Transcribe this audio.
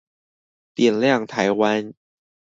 點亮台灣